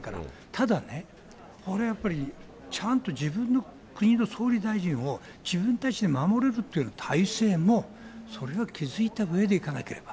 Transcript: ただね、これはやっぱり、ちゃんと自分の国の総理大臣を、自分たちで守れるという体制もそれは築いたうえで行かなければ。